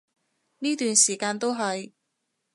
呢段時間都係